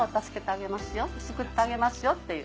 救ってあげますよっていう。